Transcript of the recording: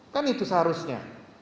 kan itu seharusnya